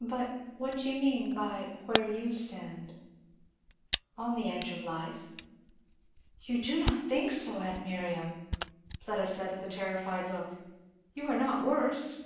"But what do you mean by 'where you stand'?" "On the edge of life." "You do not think so, aunt Miriam!" Fleda said with a terrified look. "You are not worse?"